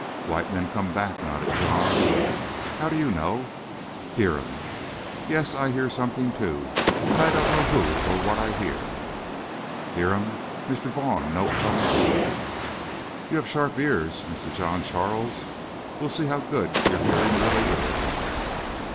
"White men come back," nodded John. "How do you know?" "Hear um." "Yes, I hear something, too, but I don't know who or what I hear." "Hear um. Mr. Vaughn no come 'long." "You have sharp ears, Mr. John Charles. We'll see how good your hearing really is."